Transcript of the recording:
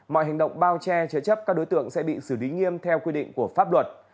mọi hành động bao che chế chấp các đối tượng sẽ bị xử lý nghiêm theo quy định của pháp luật